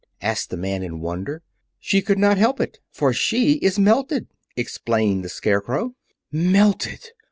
asked the man, in wonder. "She could not help it, for she is melted," explained the Scarecrow. "Melted!